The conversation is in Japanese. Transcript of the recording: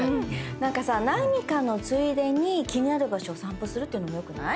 なんかさ何かのついでに気になる場所を散歩するっていうのもよくない？